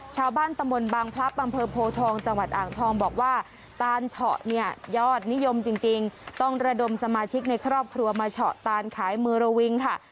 ชาวบ้านตำบลบางพลับอำเภอโพทองจังหวัดอ่างทองบอกว่าตานเฉาะเนี่ยยอดนิยมจริงต้องระดมสมาชิกในครอบครัวมาเฉาะตานขายมือระวิงค่ะ